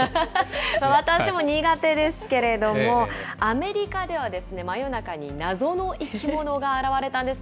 私も苦手ですけれども、アメリカでは、真夜中に謎の生き物が現れたんです。